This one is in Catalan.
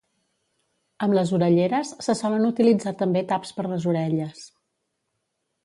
Amb les orelleres se solen utilitzar també taps per les orelles.